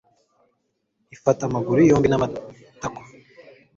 ifata amaguru yombi n'amatako